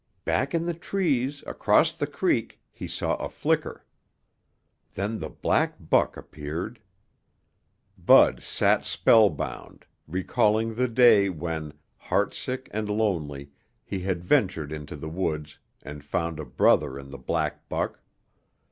Back in the trees across the creek he saw a flicker. Then the black buck appeared. Bud sat spellbound, recalling the day when, heartsick and lonely, he had ventured into the woods and found a brother in the black buck.